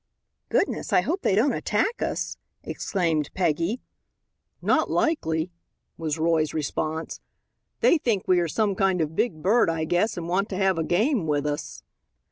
"Goodness, I hope they don't attack us," exclaimed Peggy. "Not likely," was Roy's response. "They think we are some kind of big bird, I guess, and want to have a game with us."